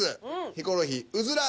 ヒコロヒー「うずら」。